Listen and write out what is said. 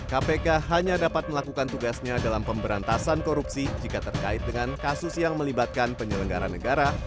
kpk hanya dapat melakukan tugasnya dalam pemberantasan korupsi jika terkait dengan kasus yang melibatkan penyelenggara negara